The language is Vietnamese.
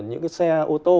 những cái xe ô tô